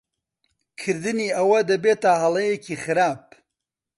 کردنی ئەوە دەبێتە ھەڵەیەکی خراپ.